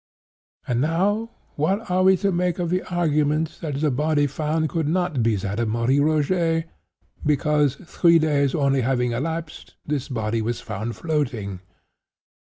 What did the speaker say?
"And now what are we to make of the argument, that the body found could not be that of Marie Rogêt, because, three days only having elapsed, this body was found floating?